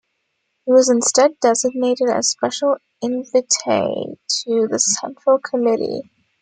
He was instead designated as Special Invitee to the Central Committee.